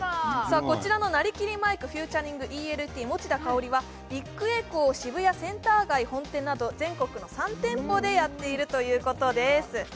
こちらのなりきりマイクｆｅａｔ．ＥＬＴ持田香織は、ビッグエコー渋谷センター街本店など全国の３店舗でやっているということです。